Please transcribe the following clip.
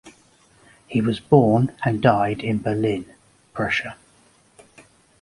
He was born and died in Berlin, Prussia.